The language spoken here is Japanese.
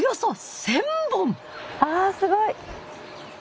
あすごい！